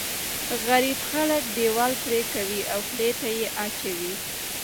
غريب خلک دیوال پرې کوي او خولې ته یې اچوي.